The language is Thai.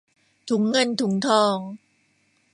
ถุงเงินถุงทอง